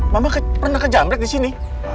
mama pernah kejamret disini